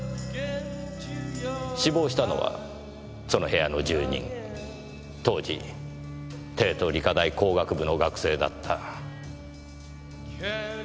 死亡したのはその部屋の住人当時帝都理科大工学部の学生だった藤北寛さん。